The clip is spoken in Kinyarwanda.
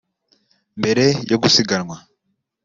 Mbere yo gusiganwa